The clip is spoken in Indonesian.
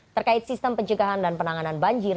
terkait sistem pencegahan dan penanganan banjir